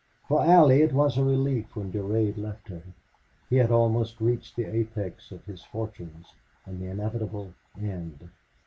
For Allie it was a relief when Durade left her. He had almost reached the apex of his fortunes and the inevitable end.